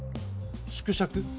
縮尺？